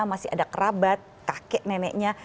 masih ada kerabat kakek neneknya